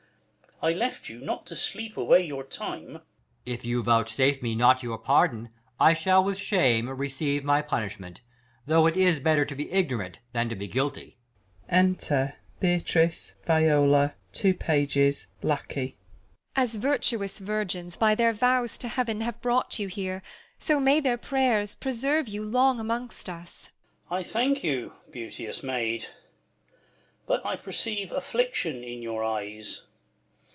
I left you not to sleep Away your time. EscH. If you vouchsafe me not your pardon, I shall with shame receive my punishment ; Though it is better to be ignorant Than to be guilty. Enter Beatrice, Viola, 2 Pages, Lacquey. Beat. As virtuous virgins, by their vows to Heaven, Have brought you here, so may their prayers Preserve you long amongst us. Duke. I thank you, beauteous maid. But I perceive Affliction in your eyes.